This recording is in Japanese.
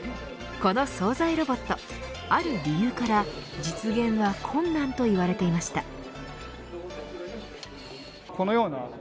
この総菜ロボットある理由から実現は困難といわれていました。